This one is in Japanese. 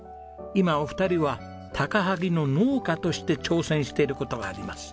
今お二人は高萩の農家として挑戦している事があります。